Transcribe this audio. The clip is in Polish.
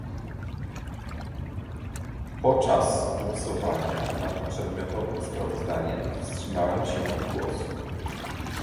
Poczas głosowania nad przedmiotowym sprawozdaniem wstrzymałem się od głosu